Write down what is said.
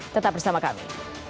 tetap bersama kami